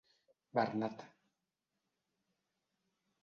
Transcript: Bernat.